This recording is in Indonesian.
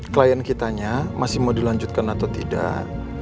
klien kitanya masih mau dilanjutkan atau tidak